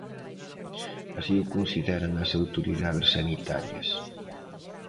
Así o consideran as autoridades sanitarias.